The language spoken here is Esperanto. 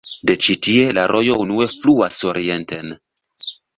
De ĉi-tie la rojo unue fluas orienten.